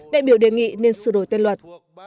đại biểu đề nghị nên sửa đổi tên luật